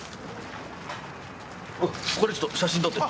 これちょっと写真撮って。